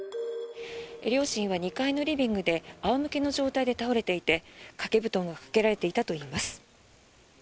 両親は２階のリビングで仰向けの状態で倒れていて掛け布団がかけられていたといいます。